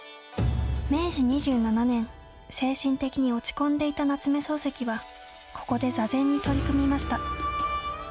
明治２７年、精神的に落ち込んでいた夏目漱石はここで座禅に取り組みました。